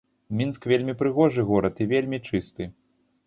Мінск вельмі прыгожы горад і вельмі чысты.